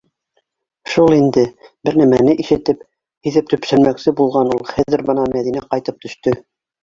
Шул инде... бер нәмәне ишетеп, һиҙеп төпсөнмәксе булған ул. Хәҙер бына Мәҙинә ҡайтып төштө.